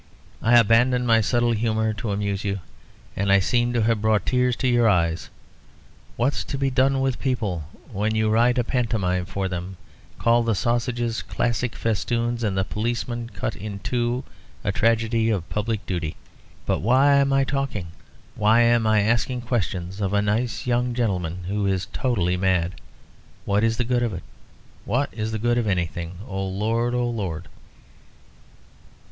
I abandoned my subtle humour to amuse you, and I seem to have brought tears to your eyes. What's to be done with people when you write a pantomime for them call the sausages classic festoons, and the policeman cut in two a tragedy of public duty? But why am I talking? Why am I asking questions of a nice young gentleman who is totally mad? What is the good of it? What is the good of anything? Oh, Lord! Oh, Lord!"